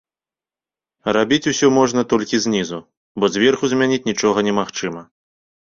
Рабіць усё можна толькі знізу, бо зверху змяніць нічога немагчыма.